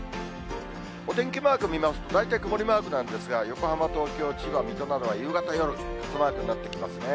お天気マーク見ますと、大体曇りマークなんですが、横浜、東京、千葉、水戸などは夕方になると、傘マークになってきますね。